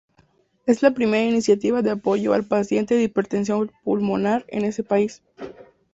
Es la primera iniciativa de apoyo al paciente de hipertensión pulmonar en ese país.